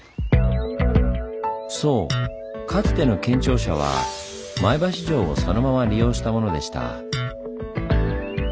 そうかつての県庁舎は前橋城をそのまま利用したものでした。